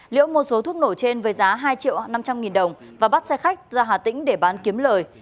liễu mua số thuốc nổ trên với giá hai triệu năm trăm linh nghìn đồng và bắt xe khách ra hà tĩnh để bán kiếm lời